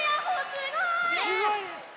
すごいね！